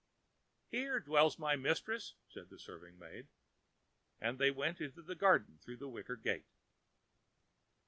ãHere dwells my mistress,ã said the serving maid. And they went into the garden through the wicket gate.